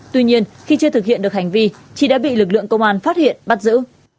tuy nhiên khi chưa thực hiện được hành vi chị đã bị lực lượng công an phát hiện bắt giữ